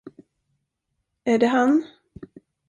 Är det han?